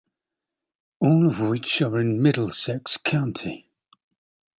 All which are in Middlesex County.